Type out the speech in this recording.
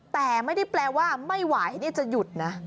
แต่ไม่ได้แปลว่าไม่ไหวนี่จะหยุดนะ